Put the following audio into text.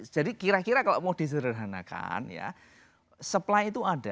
jadi kira kira kalau mau disederhanakan ya supply itu ada